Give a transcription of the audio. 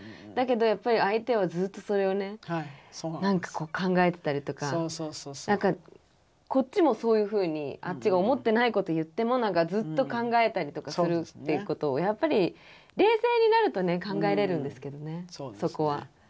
だけどやっぱり相手はずっとそれをね何かこう考えてたりとかこっちもそういうふうにあっちが思ってないこと言っても何かずっと考えたりとかするっていうことをやっぱり冷静になるとね考えれるんですけどねそこは。